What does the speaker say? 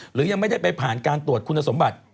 หรือยังไม่ได้ไปผ่านการตรวจคุณสมบัติ